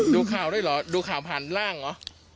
ดูข่าวด้วยเหรอดูข่าวผ่านร่างเหรอ